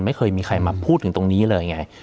ไม่เคยมีใครมาพูดถึงตรงนี้เลยไง